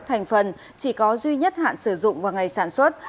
thành phần chỉ có duy nhất hạn sử dụng vào ngày sản xuất